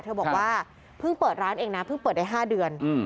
เธอบอกว่าเพิ่งเปิดร้านเองนะเพิ่งเปิดได้๕เดือน